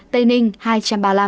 tây ninh hai trăm ba mươi năm